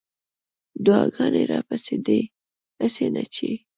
دعاګانې راپسې دي هسې نه چې